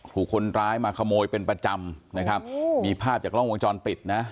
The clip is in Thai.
ถูกคนร้ายมาขโมยเป็นประจำนะครับมีภาพจากกล้องวงจรปิดนะ